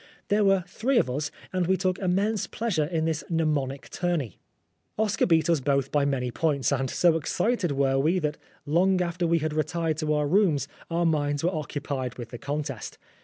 There were three of us, and we took immense pleasure in this mnemonic tourney. Oscar beat us both by many points, and so excited were we that long after we had retired to our rooms our minds were occupied with the contest.